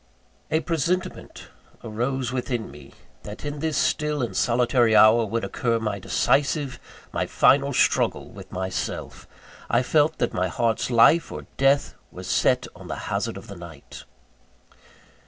A presentiment arose within me, that in this still and solitary hour would occur my decisive, my final struggle with myself. I felt that my heart's life or death was set on the hazard of the night.